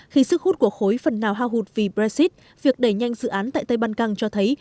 khi sức hút của khối phần nào hao hụt vì brexit việc đẩy nhanh dự án tại tây ban căng cho thấy